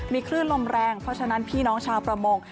มีคลื่นลมแรงเพราะฉะนั้นพี่น้องชาวประมง